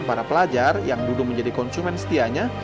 para pelajar yang dulu menjadi konsumen setianya